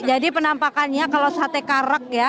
jadi penampakannya kalau sate karak ya